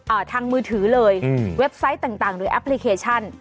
ทางมือถือเลยอืมเว็บไซต์ต่างต่างหรือแอปพลิเคชัน